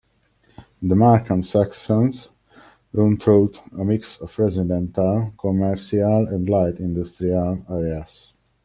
The Markham sections run through a mix of residential, commercial and light industrial areas.